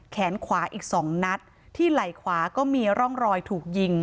แขนขวาอีกสองนัดที่ไหล่ขวาก็มีร่องรอยถูกยิง